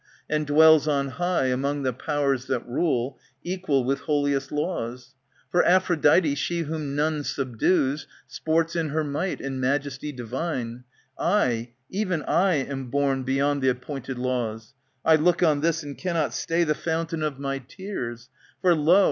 And dwells on high among the powers that rule, Equal with holiest laws ;*^ For Aphrodite, she whom none subdues, Sports, in her might and majesty divine, I, even I, am borne Beyond the appointed laws ; I look on this, and cannot stay The fountain of my tears. For, lo